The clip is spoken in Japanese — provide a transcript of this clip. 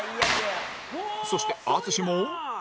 そして淳も